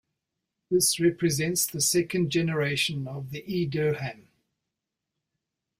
This represents the second generation of the e-Dirham.